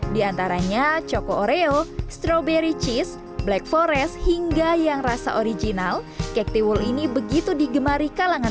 strawberry cheese black forest hingga yang rasa original kek tiwul ini begitu digemari kalangan